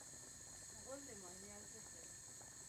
غول د معاینې ارزښت لري.